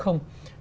không phải là bốn